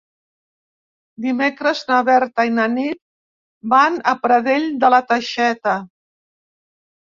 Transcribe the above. Dimecres na Berta i na Nit van a Pradell de la Teixeta.